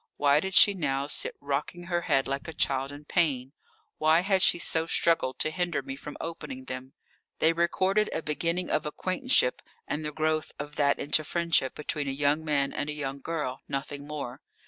Why did she now sit rocking her head like a child in pain? Why had she so struggled to hinder me from opening them? They recorded a beginning of acquaintanceship and the growth of that into friendship between a young man and a young girl nothing more.